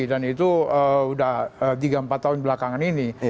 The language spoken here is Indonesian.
dan itu sudah tiga empat tahun belakangan ini